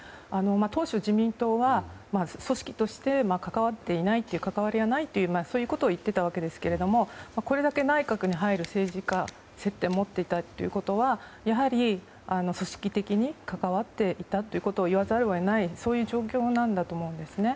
当初、自民党は組織として関わっていない、関わりはないとそう言っていたわけですがこれだけ内閣に入る政治家が接点を持っていたということはやはり組織的に関わっていたと言わざるを得ない状況なんだと思うんですね。